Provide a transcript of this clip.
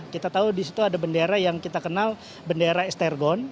kita tahu di situ ada bendera yang kita kenal bendera estergon